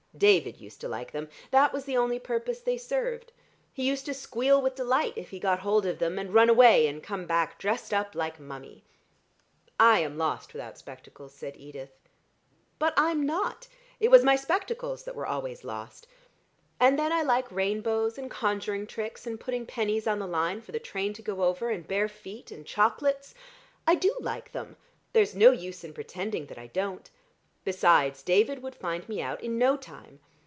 David used to like them; that was the only purpose they served. He used to squeal with delight if he got hold of them, and run away and come back dressed up like Mummie." "I am lost without spectacles," said Edith. "But I'm not; it was my spectacles that were always lost. And then I like rainbows and conjuring tricks and putting pennies on the line for the train to go over, and bare feet and chocolates. I do like them; there's no use in pretending that I don't. Besides, David would find me out in no time.